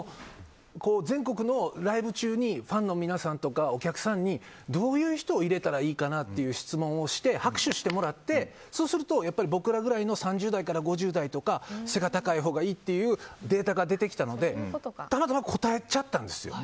全国のライブ中にファンの皆さんとかお客さんにどういう人を入れたらいいかなという質問をして拍手してもらってそうすると僕らぐらいの３０代から５０代とか背が高いほうがいいっていうデータが出てきたのでただただ答えちゃったんですよ。